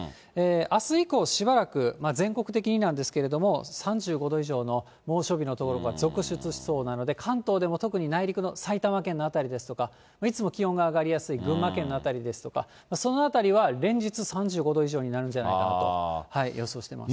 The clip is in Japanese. あす以降、しばらく、全国的になんですけれども、３５度以上の猛暑日の所が続出しそうなので、関東でも特に内陸の埼玉県の辺りですとか、いつも気温が上がりやすい群馬県の辺りですとか、その辺りは連日、３５度以上になるんじゃないかなと予想してます。